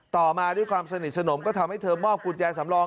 ต่อมาด้วยความสนิทสนมก็ทำให้เธอมอบกุญแจสำรอง